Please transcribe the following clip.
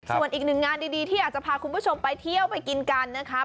ส่วนอีกหนึ่งงานดีที่อยากจะพาคุณผู้ชมไปเที่ยวไปกินกันนะครับ